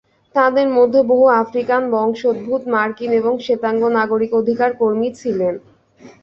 তাঁদের মধ্যে বহু আফ্রিকান বংশোদ্ভূত মার্কিন এবং শ্বেতাঙ্গ নাগরিক অধিকার কর্মী ছিলেন।